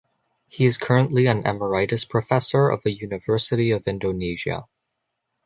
He is currently an Emeritus Professor of the University of Indonesia.